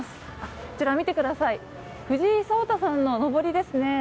あちら見てください、藤井聡太さんののぼりですね。